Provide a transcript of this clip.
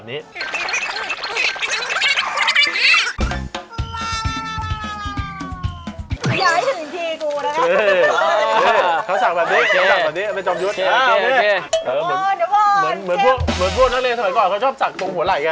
เหมือนพวกนักเรียนสมัยก่อนเขาชอบสักตรงหัวไหล่ไง